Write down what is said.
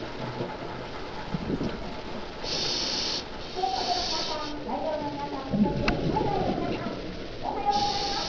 全国の皆さん会場の皆さんそして海外の皆さんおはようございます！